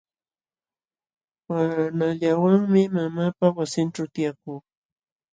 Panallawanmi mamaapa wasinćhuu tiyakuu.